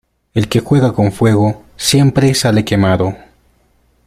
El que juega con fuego siempre sale quemado.